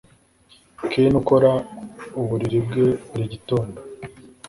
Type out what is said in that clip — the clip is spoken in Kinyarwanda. Ken akora uburiri bwe buri gitondo